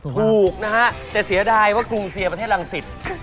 ถูกนะฮะแต่เสียดายว่ากรุงเซียประเทศรังสิต